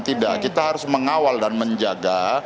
tidak kita harus mengawal dan menjaga